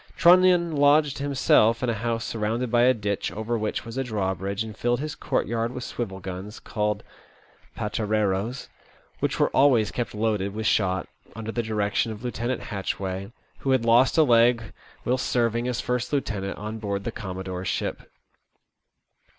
Trunnion lodged him self in a house surrounded by a ditch, over which was Sk drawbridge, and filled his courtyard with swivel guns called pateraroes, which were always kept loaded with shot, under the direction of Lieutenant Hatchway, who had lost a leg whilst serving as first lieutenant on board the commodore's ship.